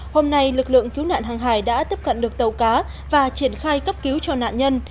hôm nay lực lượng cứu nạn hàng hải đã tiếp cận được tàu cá và triển khai cấp cứu cho nạn nhân